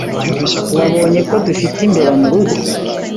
Wabonye ko dufite imbeba murugo?